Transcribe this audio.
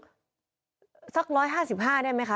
มันทำสายขนาดไหนครับช่วยติดตามหน่อยครับ